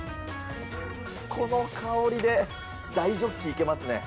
この香りで大ジョッキいけますね。